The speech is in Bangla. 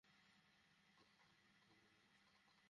তাঁর সাথে বহু পশু সম্পদ, গোলাম, বাদী ও ধন-সম্পদ ছিল।